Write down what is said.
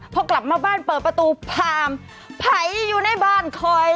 พอกลับมาบ้านเปิดประตูผ่านไผ่อยู่ในบ้านคอย